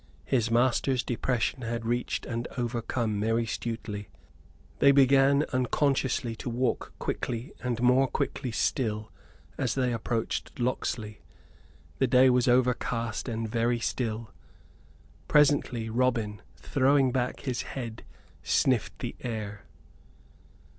His master's depression had reached and overcome merry Stuteley. They began unconsciously to walk quickly and more quickly still as they approached Locksley. The day was overcast and very still. Presently Robin, throwing back his head, sniffed the air.